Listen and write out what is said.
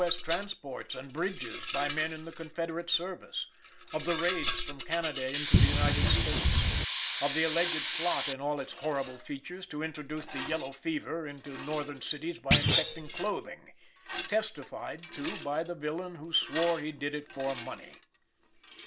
S. transports and bridges by men in the Confederate service; of the raids from Canada into the United States; of the alleged plot in all its horrible features to introduce the yellow fever into Northern cities by infected clothing, testified to by the villain who swore he did it for money.